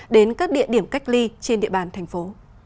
đến các địa điểm cách ly trên địa bàn thành phố